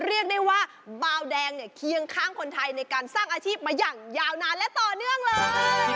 เรียกได้ว่าบาวแดงเนี่ยเคียงข้างคนไทยในการสร้างอาชีพมาอย่างยาวนานและต่อเนื่องเลย